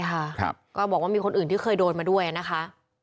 ก็บอกว่ามีคนอื่นที่เคยโดนมาด้วยนะคะ